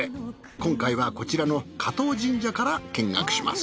今回はこちらの加藤神社から見学します。